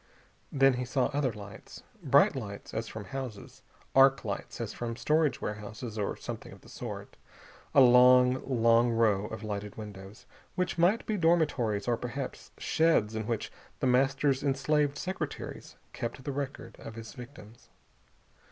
Then he saw other lights. Bright lights, as from houses. Arc lights as from storage warehouses, or something of the sort. A long, long row of lighted windows, which might be dormitories or perhaps sheds in which The Master's enslaved secretaries kept the record of his victims.